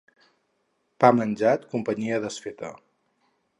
Pa menjat, companyia desfeta.